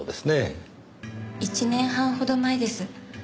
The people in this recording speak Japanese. １年半ほど前です。